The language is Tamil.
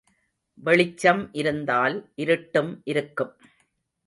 வெளிச்சம் இருந்தால் இருட்டும் இருக்கும்.